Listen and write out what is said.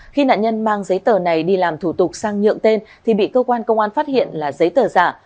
khi nạn nhân mang giấy tờ này đi làm thủ tục sang nhượng tên thì bị cơ quan công an phát hiện là giấy tờ giả